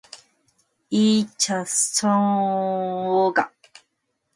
“이 자식아! 성례구 뭐구 미처 자라야지!”하고 만다.